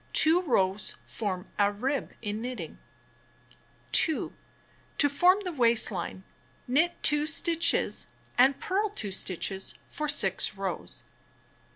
Two rows form a rib in knitting. 2, To form the waist line, knit 2 stitches and purl 2 stitches for 6 rows.